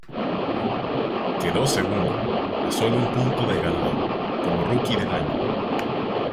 Quedó segundo, a sólo un punto del ganador, como Rookie del Año.